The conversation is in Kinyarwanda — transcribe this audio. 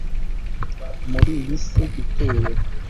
muri iyi si ituwe